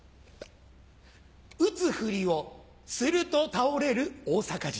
撃つふりをすると倒れる大阪人。